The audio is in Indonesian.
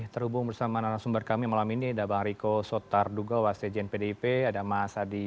berhubung bersama narasumber kami malam ini ada bang eriko sotarduga wasit jn pdip ada mas adi